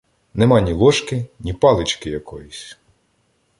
Нема ні ложки, ні палички якоїсь.